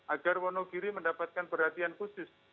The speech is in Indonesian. agar wonogiri mendapatkan perhatian khusus